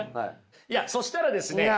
いやそしたらですね